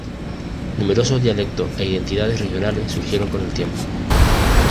Numerosos dialectos e identidades regionales surgieron con el tiempo.